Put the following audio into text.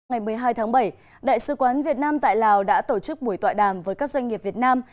ngày một mươi hai tháng bảy đại sứ quán việt nam tại lào đã tổ chức buổi tọa đàm với các doanh nghiệp việt nam